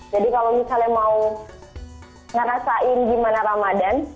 jadi kalau misalnya mau ngerasain gimana ramadan